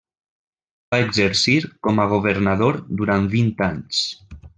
Va exercir com a governador durant vint anys.